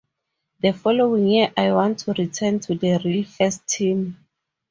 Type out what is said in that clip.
The following year I want to return to the Real first team.